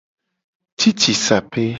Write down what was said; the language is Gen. Cicisape.